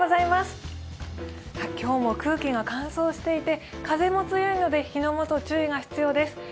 今日も空気が乾燥していて、風も強いので火の元、注意が必要です。